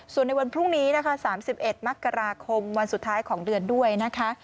ส่วนในวันพรุ่งนี้นะคะ๓๑มกราคมวันสุดท้ายของเดือนด้วยนะคะ